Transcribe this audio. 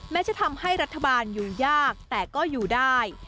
จะทำให้รัฐบาลอยู่ยากแต่ก็อยู่ได้